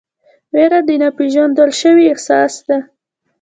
ویره د ناپېژندل شوي احساس ده.